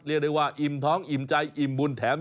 เรียกได้ว่าอิ่มท้องอิ่มใจอิ่มบุญแถม